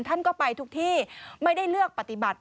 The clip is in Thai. ท่านก็ไปทุกที่ไม่ได้เลือกปฏิบัติ